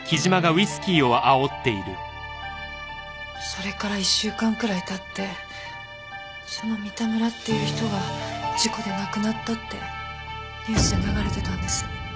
それから１週間くらい経ってその三田村っていう人が事故で亡くなったってニュースで流れてたんです。